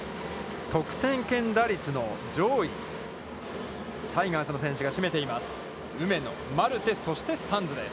得点圏打率の上位、タイガースの選手がしめています。